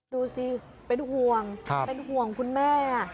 ดูสิเป็นห่วงเป็นห่วงคุณแม่